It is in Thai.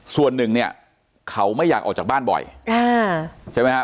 ส่วนหนึ่งเนี่ยเขาไม่อยากออกจากบ้านบ่อยใช่ไหมฮะ